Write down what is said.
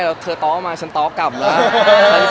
แล้วถ่ายละครมันก็๘๙เดือนอะไรอย่างนี้